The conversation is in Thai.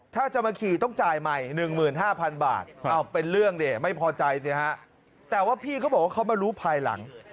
ถ้าจะมาขี่ต้องจ่ายใหม่๑๕๐๐๐บาทเป็นเรื่องดิไม่พอใจสิฮะแต่ว่าพี่เขาบอกว่าเขามารู้ภายหลัง